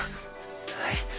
はい。